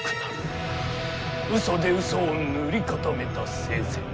うそでうそを塗り固めた生前。